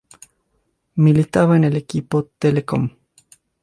Militaba en el equipo Telekom.